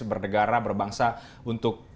bernegara berbangsa untuk